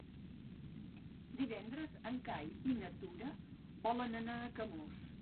Divendres en Cai i na Tura volen anar a Camós.